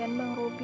kasian bang robi